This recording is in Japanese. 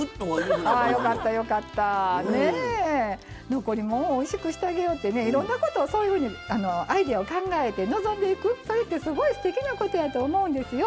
残りもんもおいしくしてあげようといろんなこと、そういうふうにアイデアを考えて臨んでいくそれってすごくすてきなことやと思うんですよ。